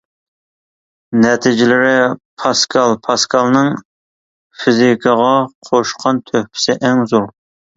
نەتىجىلىرى پاسكال پاسكالنىڭ فىزىكىغا قوشقان تۆھپىسى ئەڭ زور.